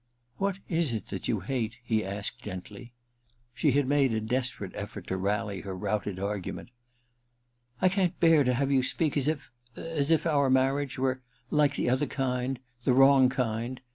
* What is it that you hate ?' he asked gently. She had made a desperate eflTort to rally her routed argument. * I can t bear to have you speak as if — as if — our marriage — ^were like the other kind — the wrong kind.